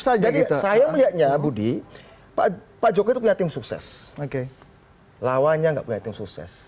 saja jadi saya melihatnya budi pak jokowi itu tersukses oke lawannya enggak punya tim sukses